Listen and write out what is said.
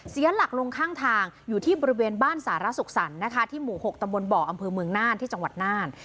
เสียหลักลงข้างทางอยู่ที่บริเวณบ้านสารสุขสรรค์นะคะที่หมู่๖ตำบลบ่ออำเภอเมืองน่านที่จังหวัดน่าน